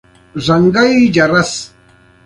مرکه کېدونکی د معلوماتو سرچینه ده.